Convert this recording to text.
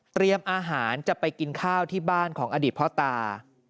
อาหารจะไปกินข้าวที่บ้านของอดีตพ่อตา